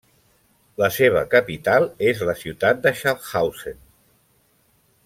La seva capital és la ciutat de Schaffhausen.